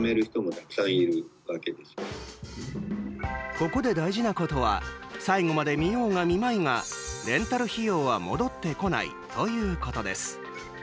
ここで大事なことは最後まで見ようが見まいがレンタル費用は戻ってこないということです。